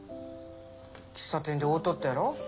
喫茶店で会うとったやろ？